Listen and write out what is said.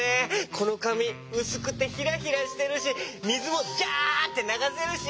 このかみうすくてヒラヒラしてるしみずもジャってながせるし。